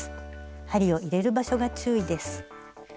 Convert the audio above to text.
針を入れる場所が注意です。